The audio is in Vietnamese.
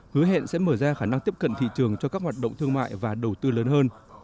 hứa hẹn sẽ mở ra khả năng tiếp cận thị trường cho các hoạt động thương mại và đầu tư lớn hơn